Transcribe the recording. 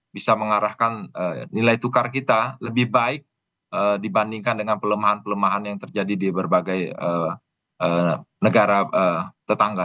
bisa mengarahkan nilai tukar kita lebih baik dibandingkan dengan pelemahan pelemahan yang terjadi di berbagai negara tetangga